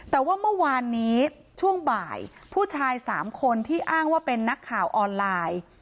แต่ว่าเมื่อวานนี้ช่วงบ่ายผู้ชาย๓คนที่อ้างว่าเป็นนักข่าวออนไลน์